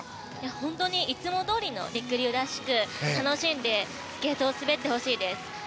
本当にいつもどおりのりくりゅうらしく楽しんでスケートを滑ってほしいです。